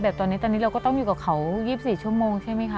ตอนนี้ตอนนี้เราก็ต้องอยู่กับเขา๒๔ชั่วโมงใช่ไหมคะ